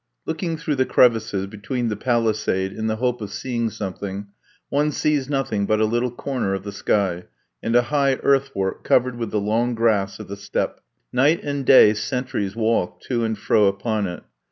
Looking through the crevices between the palisade in the hope of seeing something, one sees nothing but a little corner of the sky, and a high earthwork, covered with the long grass of the steppe. Night and day sentries walk to and fro upon it.